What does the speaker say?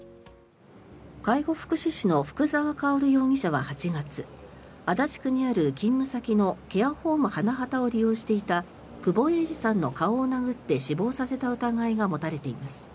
介護福祉士の福澤薫容疑者は８月足立区にある勤務先のケアホーム花畑を利用していた久保榮治さんの顔を殴って死亡させた疑いが持たれています。